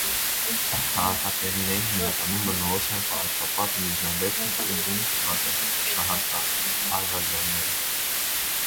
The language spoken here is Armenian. Քաղաքատեղիներին հիմնականում բնորոշ են պարսպապատ միջնաբերդն ու բուն քաղաքը (շահաստան), արվարձանները։